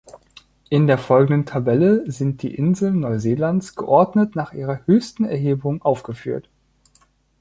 In der folgenden Tabelle sind die Inseln Neuseelands geordnet nach ihrer höchsten Erhebung aufgeführt.